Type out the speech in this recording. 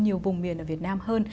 nhiều vùng miền ở việt nam hơn